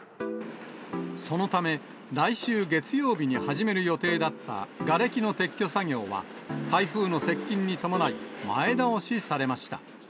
そのため、来週月曜日に始める予定だったがれきの撤去作業は、台風の接近に伴い、前倒しされました。